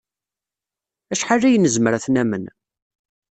Acḥal ay nezmer ad t-namen?